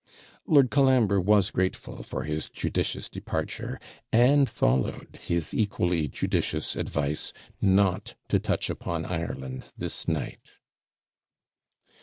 Lord Colambre was grateful for his judicious departure; and followed his equally judicious advice, not to touch upon Ireland this night.